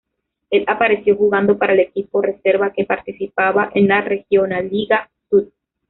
Él apareció jugando para el equipo reserva que participaba en la Regionalliga Süd.